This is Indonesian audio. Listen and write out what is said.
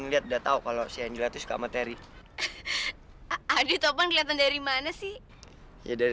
lihat udah tahu kalau si angela tuh suka materi aduh topeng kelihatan dari mana sih ya dari